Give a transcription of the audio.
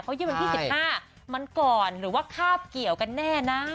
ยื่นวันที่๑๕มันก่อนหรือว่าคาบเกี่ยวกันแน่นะ